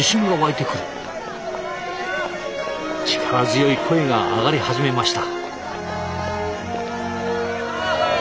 力強い声が上がり始めました。